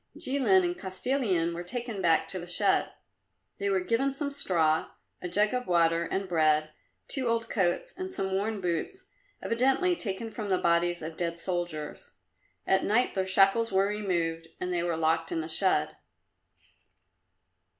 Jilin and Kostilin were taken back to the shed. They were given some straw, a jug of water and bread, two old coats and some worn boots, evidently taken from the bodies of dead soldiers. At night their shackles were removed and they were locked in the shed.